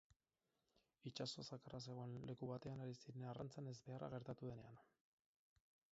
Itsaso zakarra zegoen leku batean ari ziren arrantzan ezbeharra gertatu denean.